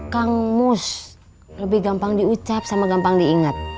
kang mus lebih gampang diucap sama gampang diingat